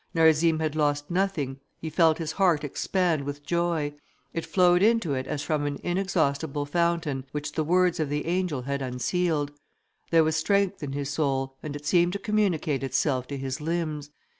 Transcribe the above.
Narzim had lost nothing; he felt his heart expand with joy. It flowed into it as from an inexhaustible fountain, which the words of the angel had unsealed. There was strength in his soul, and it seemed to communicate itself to his limbs.